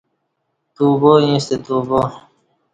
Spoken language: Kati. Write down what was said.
توبہ ییںستہ توبہ